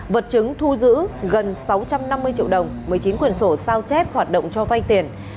vật chứng thu giữ gần sáu trăm năm mươi triệu đồng một mươi chín quyển sổ sao chép hoạt động cho vay tiền